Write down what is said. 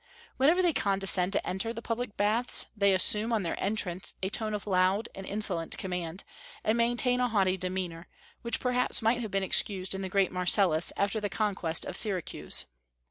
Whenever they condescend to enter the public baths, they assume, on their entrance, a tone of loud and insolent command, and maintain a haughty demeanor, which perhaps might have been excused in the great Marcellus after the conquest of Syracuse.